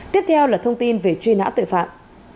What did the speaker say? tiếp theo là thông tin về truy nã tội phạm